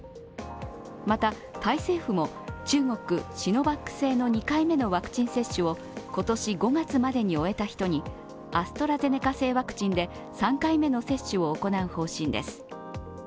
また、タイ政府も中国シノバック製の２回目のワクチン接種を今年５月までに終えた人にアストラゼネカ製ワクチンで３回目の接種を行う方針です。